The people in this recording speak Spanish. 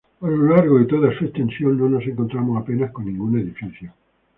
A lo largo de toda su extensión no nos encontramos apenas con ningún edificio.